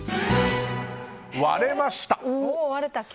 割れました。